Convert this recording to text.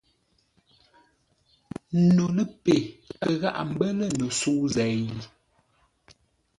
No ləpe kə gháʼa mbə́ lə̂ no sə̌u zêi ?